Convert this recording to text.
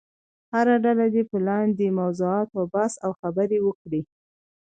هره ډله دې په لاندې موضوعاتو بحث او خبرې وکړي.